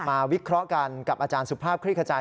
วิเคราะห์กันกับอาจารย์สุภาพคลิกขจาย